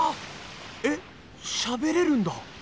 しゃべれるんだ。